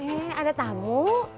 eh ada tamu